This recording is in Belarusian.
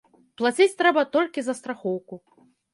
Плаціць трэба толькі за страхоўку.